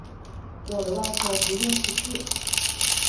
我的外婆不识字